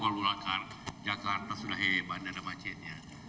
kalau lulakan jakarta sudah hebat ada macetnya